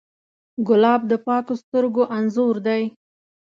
ګلاب د پاکو سترګو انځور دی.